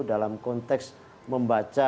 dalam konteks membaca